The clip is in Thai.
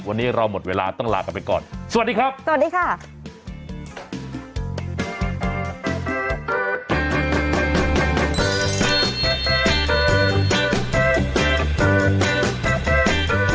วันนี้เราหมดเวลาต้องลากลับไปก่อนสวัสดีครับ